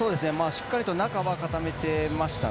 しっかり中は固めていました。